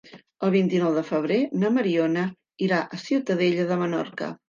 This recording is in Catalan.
El vint-i-nou de febrer na Mariona irà a Ciutadella de Menorca.